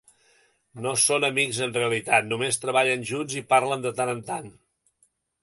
No són amics en realitat, només treballen junts i parlen de tant en tant.